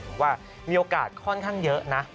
บอกว่ามีโอกาสค่อนข้างเยอะนะ